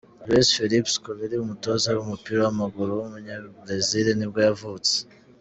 Luiz Felipe Scolari, umutoza w’umupira w’amaguru w’umunyabrazil nibwo yavutse.